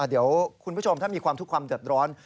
เดี๋ยวคุณผู้ชมถ้ามีความทุกข์ความเดือดร้อน